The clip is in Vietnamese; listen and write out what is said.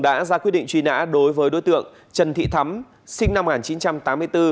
đã ra quyết định truy nã đối với đối tượng trần thị thắm sinh năm một nghìn chín trăm tám mươi bốn